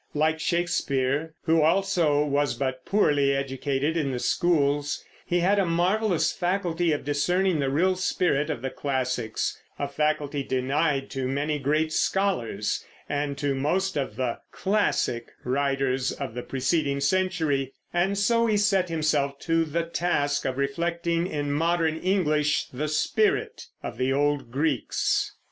Like Shakespeare, who also was but poorly educated in the schools, he had a marvelous faculty of discerning the real spirit of the classics, a faculty denied to many great scholars, and to most of the "classic" writers of the preceding century, and so he set himself to the task of reflecting in modern English the spirit of the old Greeks.